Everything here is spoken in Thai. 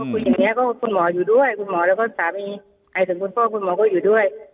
คุยอย่างนี้ก็คุณหมออยู่ด้วยคุณหมอแล้วก็สามีหมายถึงคุณพ่อคุณหมอก็อยู่ด้วย